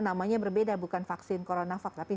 namanya berbeda bukan vaksin coronavac tapi